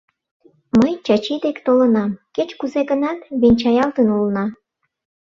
Мый Чачи дек толынам, кеч-кузе гынат, венчаялтын улына.